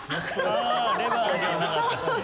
ああレバーではなかった。